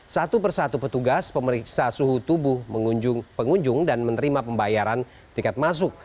satu persatu petugas pemeriksa suhu tubuh pengunjung dan menerima pembayaran tiket masuk